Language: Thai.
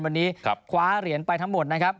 วันนี้คว้าเหรียญไปทั้งหมดนะครับ